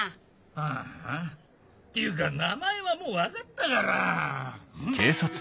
ああっていうか名前はもう分かったからん？